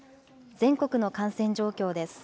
全国の感染状況です。